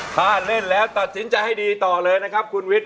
ถ้าเล่นแล้วตัดสินใจให้ดีต่อเลยนะครับคุณวิทย